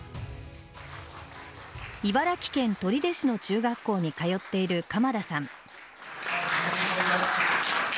茨城県取手市の中学校に通っている鎌田さん。